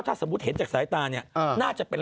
ถ้าสมมุติเห็นจากสายตาเนี่ยน่าจะเป็น